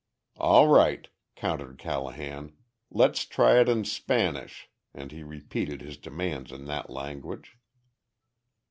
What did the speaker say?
"All right," countered Callahan. "Let's try it in Spanish," and he repeated his demands in that language.